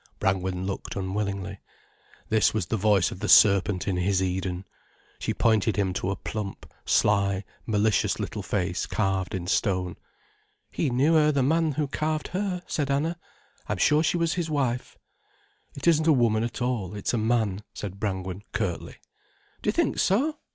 Brangwen looked unwillingly. This was the voice of the serpent in his Eden. She pointed him to a plump, sly, malicious little face carved in stone. "He knew her, the man who carved her," said Anna. "I'm sure she was his wife." "It isn't a woman at all, it's a man," said Brangwen curtly. "Do you think so?